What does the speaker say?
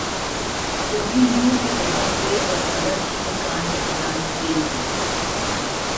جبری یوں کہ ، پیدا ہوئے اور دادا جی نے کان میں اذان انڈیل دی